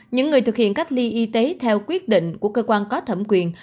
những người thực hiện cách ly y tế theo quyết định của cơ quan có thẩm quyền